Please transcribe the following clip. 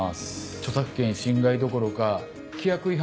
著作権侵害どころか規約違反